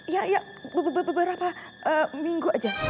ya ya beberapa minggu aja